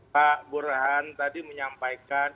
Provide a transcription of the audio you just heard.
pak burhan tadi menyampaikan